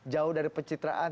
jauh dari pencitraan